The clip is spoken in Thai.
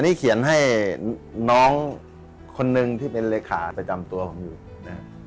นี่เขียนให้น้องคนนึงที่เป็นเลขาประจำตัวผมอยู่นะฮะ